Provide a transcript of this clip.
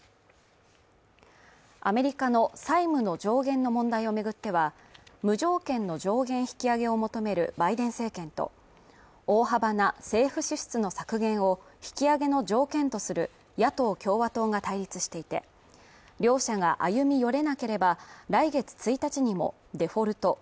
アメリカの債務の上限の問題を巡っては、無条件の上限引き上げを求めるバイデン政権と、大幅な政府支出の削減を引き上げの条件とする野党・共和党が対立していて、両者が歩み寄れなければ来月１日にもデフォルト＝